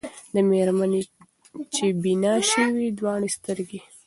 د مېرمني چي بینا سوې دواړي سترګي